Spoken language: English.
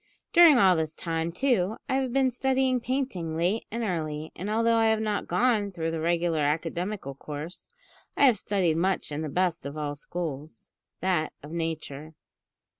During all this time, too, I have been studying painting late and early, and although I have not gone through the regular academical course, I have studied much in the best of all schools, that of Nature.